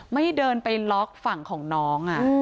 ไม่เดินไปล็อกฝั่งของน้อง